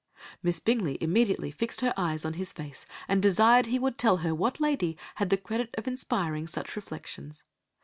"Miss Bingley immediately fixed her eyes on his face, and desired he would tell her what lady had the credit of inspiring such reflections.